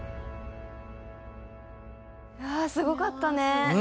いやすごかったね。